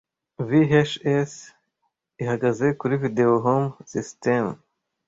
VHS ihagaze kuri Video Home Sisitemu